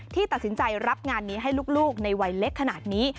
ที่ตัดสินใจรับงานนี้ให้ลูกในวัยเล็กขนาดนี้